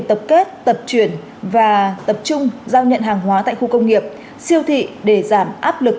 tập kết tập chuyển và tập trung giao nhận hàng hóa tại khu công nghiệp siêu thị để giảm áp lực